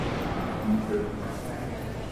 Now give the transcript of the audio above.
Rum perfumado!